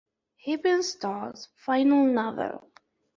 Heppenstall's final novel.